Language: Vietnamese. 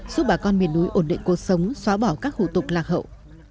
giúp bà con miền núi ổn định cuộc sống xóa bỏ các hủ tục lạc hậu